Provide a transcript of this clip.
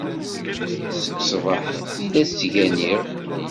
Seg ṣṣbeḥ i la t-ttganiɣ.